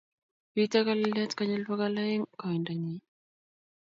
Bitei kololiot konyil bokol oeng' koindonyin